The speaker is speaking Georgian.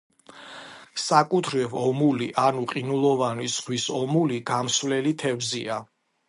საკუთრივ ომული ანუ ყინულოვანი ზღვის ომული გამსვლელი თევზია.